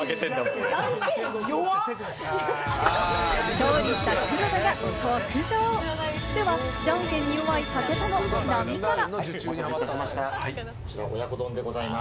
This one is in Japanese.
勝利した黒田が特上！ではじゃんけんに弱い武田の並から。